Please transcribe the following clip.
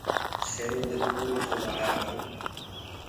سيرو دي ٿوڙو سو ڀآهر آرو۔